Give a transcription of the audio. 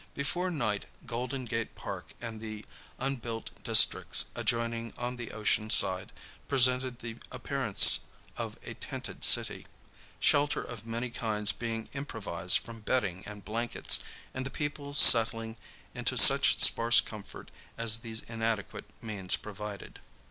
Before night Golden Gate Park and the unbuilt districts adjoining on the ocean side presented the appearance of a tented city, shelter of many kinds being improvised from bedding and blankets, and the people settling into such sparse comfort as these inadequate means provided.